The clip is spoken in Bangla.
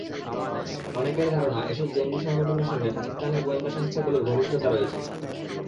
অনেকের ধারণা, এসব জঙ্গি সংগঠনের সঙ্গে পাকিস্তানের গোয়েন্দা সংস্থাগুলোর ঘনিষ্ঠতা রয়েছে।